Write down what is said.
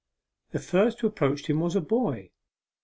The first who approached him was a boy.